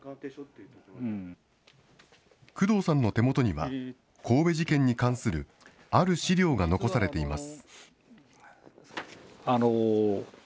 工藤さんの手元には、神戸事件に関するある資料が残されています。